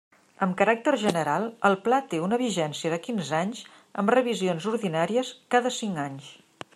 Amb caràcter general el pla té una vigència de quinze anys amb revisions ordinàries cada cinc anys.